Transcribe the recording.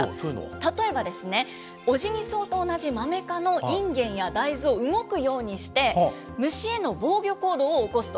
例えばですね、オジギソウと同じマメ科のインゲンやダイズを動くようにして、虫への防御行動を起こすと。